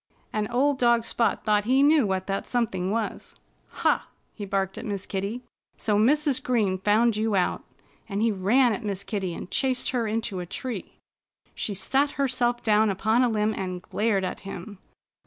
And old dog Spot thought he knew what that something was. "Ha!" he barked at Miss Kitty. "So Mrs. Green found you out!" And he ran at Miss Kitty and chased her into a tree. She sat herself down upon a limb and glared at him.